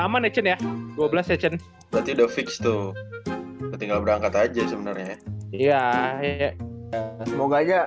aman ya cun ya dua belas ya cun berarti udah fix tuh tinggal berangkat aja sebenarnya ya semoga aja